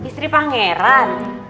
aw istri pangeran